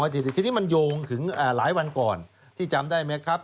ทีนี้มันโยงถึงหลายวันก่อนที่จำได้ไหมครับ